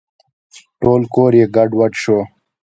ټول کور یې ګډوډ شو .